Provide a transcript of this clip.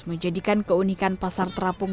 menjadikan keunikan pasar terapung